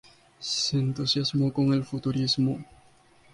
Se entusiasmó con el Futurismo.